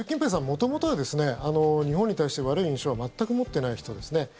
元々は日本に対して悪い印象は全く持ってない人ですね。